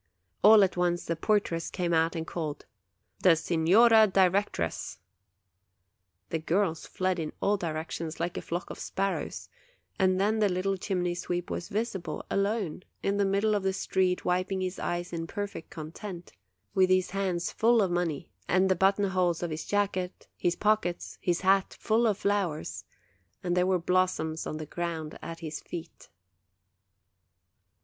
All at once the portress came out and called : "The Signora Directress!" The girls fled in all directions, like a flock of sparrows; and then the little chimney sweep was visible, alone, in the middle of the street, wiping his eyes in perfect content, with his hands 24 OCTOBER full of money, and the button holes of his jacket, his pockets, his hat, full of flowers; and there were blos soms on the ground at his feet.